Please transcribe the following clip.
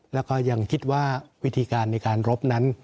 แล้วก็ยังคิดว่าวิธีการในการรบนั้น